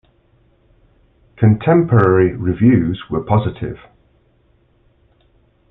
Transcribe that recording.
Contemporary reviews were positive.